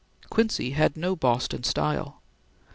Quincy had no Boston style.